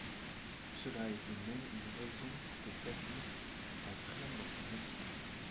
Cela a été même une raison pour que Pagny la prenne dans son équipe.